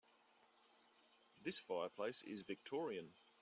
This fireplace is victorian.